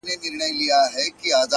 دا غمى اوس له بازاره دى لوېدلى.!